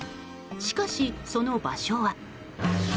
しかし、その場所は。